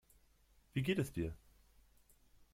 Wie geht es dir?